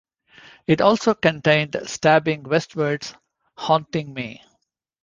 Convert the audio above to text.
It also contained Stabbing Westward's "Haunting Me".